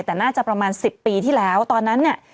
แต่น่าจะประมาณ๑๐ปีที่แล้วตอนนั้นเนี่ย